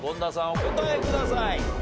お答えください。